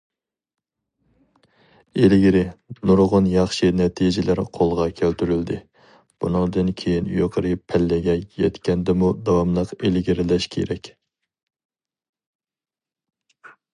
ئىلگىرى نۇرغۇن ياخشى نەتىجىلەر قولغا كەلتۈرۈلدى، بۇنىڭدىن كېيىن يۇقىرى پەللىگە يەتكەندىمۇ داۋاملىق ئىلگىرىلەش كېرەك.